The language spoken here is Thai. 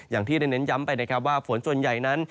อย่างที่ได้เน้นย้ำไปนะครับว่าฝนส่วนใหญ่นั้น